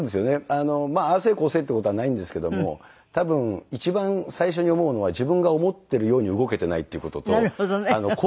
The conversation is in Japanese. ああせえこうせえっていう事はないんですけども多分一番最初に思うのは自分が思っているように動けていないっていう事と。